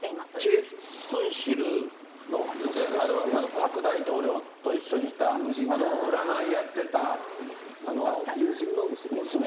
チェ・スンシルのあれは、パク大統領と一緒にいた、あの占い友人の娘。